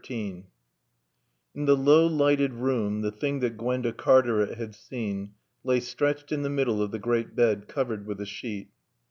XIII In the low lighted room the thing that Gwenda Cartaret had seen lay stretched in the middle of the great bed, covered with a sheet.